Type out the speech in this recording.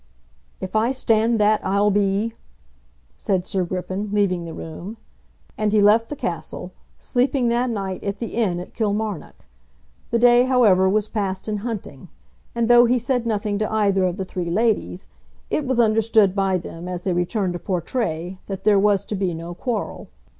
"If I stand that I'll be ," said Sir Griffin, leaving the room. And he left the castle, sleeping that night at the inn at Kilmarnock. The day, however, was passed in hunting; and though he said nothing to either of the three ladies, it was understood by them as they returned to Portray that there was to be no quarrel.